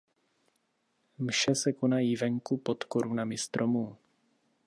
Mše se konají venku pod korunami stromů.